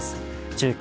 「中継！